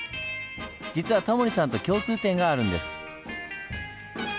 実はタモリさんと共通点があるんです。